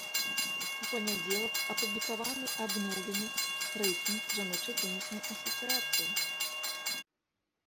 У панядзелак апублікаваны абноўлены рэйтынг жаночай тэніснай асацыяцыі.